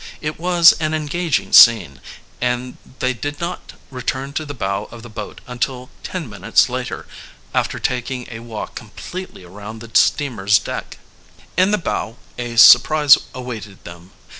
It was an engaging scene, and the did not return to the bow of the boat until ten minutes later, after taking a walk completely around the steamer's deck. In the bow a surprise awaited them.